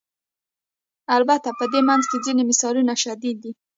البته په دې منځ کې ځینې مثالونه شدید دي.